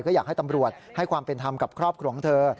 ก็อยากให้ตำรวจให้ความเป็นธรรมกับครอบครัวของเธอ